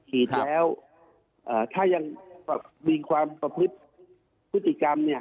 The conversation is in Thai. ฉีดแล้วถ้ายังมีความประพฤติกรรม